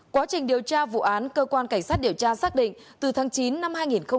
quá trình điều tra vụ án cơ quan cảnh sát điều tra xác định từ tháng chín năm hai nghìn một mươi ba